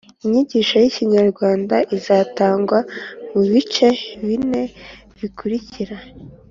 Inyigisho y’Ikinyarwanda izatangwa mu bice bine bikurikira